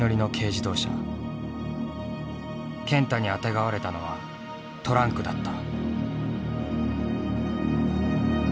健太にあてがわれたのはトランクだった。